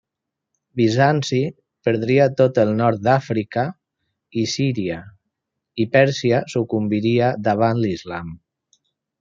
Bizanci perdria tot el nord d'Àfrica i Síria i Pèrsia sucumbiria davant l'Islam.